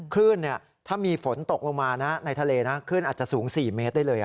ขึ้นถ้ามีฝนตกลงมาในทะเลขึ้นอาจจะสูง๔เมตรได้เลย